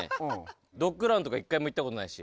ドッグランとか１回も行ったことないし。